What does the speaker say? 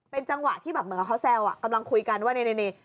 เป็นจังหวะที่แบบเหมือนกับเขาแซวกำลังคุยกันว่านี่